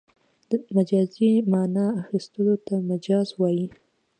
مجازي مانا اخستلو ته مجاز وايي.